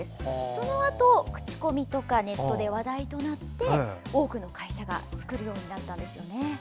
そのあと口コミとかネットで話題となって多くの会社が作るようになったんですよね。